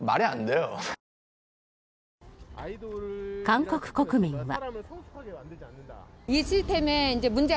韓国国民は。